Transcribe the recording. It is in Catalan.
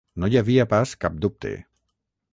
No hi havia pas cap dubte.